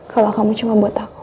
kalau kamu cuma buat aku